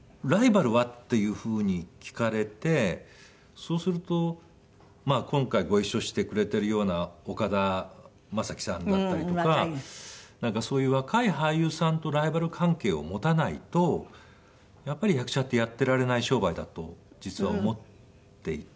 そうすると今回ご一緒してくれているような岡田将生さんだったりとかなんかそういう若い俳優さんとライバル関係を持たないとやっぱり役者ってやっていられない商売だと実は思っていて。